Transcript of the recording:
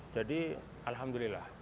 jadi alhamdulillah ada teknologi